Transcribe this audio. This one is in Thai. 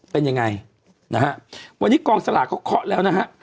เป็นยังไงนะฮะวันนี้กองสลากเขาเคาะแล้วนะฮะ